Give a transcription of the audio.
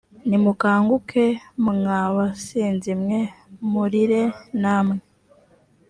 nimukanguke mwa basinzi mwe murire namwe